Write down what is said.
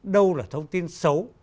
đâu là thông tin xấu